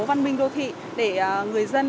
văn minh đô thị để người dân